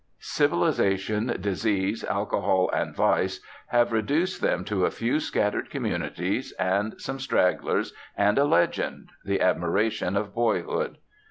Civilisation, disease, alcohol, and vice have reduced them to a few scattered communities and some stragglers, and a legend, the admiration of boyhood.